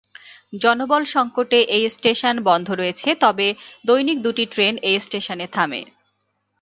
জনবল সংকটে এই স্টেশন বন্ধ রয়েছে, তবে দৈনিক দুটি ট্রেন এই স্টেশনে থামে।